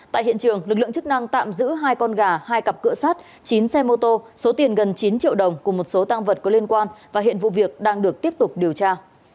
tại hiện trường lực lượng chức năng tạm giữ hai con gà hai cặp cửa sắt chín xe mô tô số tiền gần chín triệu đồng cùng một số tăng vật có liên quan và hiện vụ việc đang được tiếp tục điều tra